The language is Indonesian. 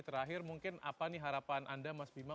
terakhir mungkin apa nih harapan anda mas bima